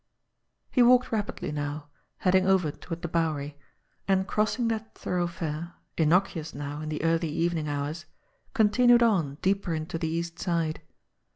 He walked rapidly now, heading over toward the Bow ery, and crossing that thoroughfare, innocuous now in the early evening hours, continued on deeper into the East Side.